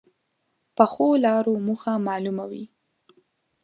پخو لارو موخه معلومه وي